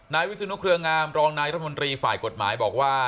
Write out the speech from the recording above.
วิศนุเครืองามรองนายรัฐมนตรีฝ่ายกฎหมายบอกว่า